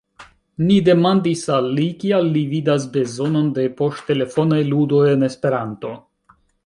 Ni demandis al li, kial li vidas bezonon de poŝtelefonaj ludoj en Esperanto.